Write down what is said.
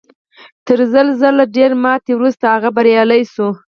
تر زر ځله ډېرې ماتې وروسته هغه بریالی شو